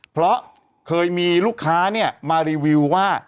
เพราะเคยมีลูกค้าเนี่ยมารีวิวว่า